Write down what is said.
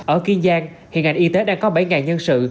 ở kiên giang hiện ngành y tế đang có bảy nhân sự